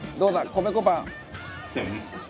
米粉パン！」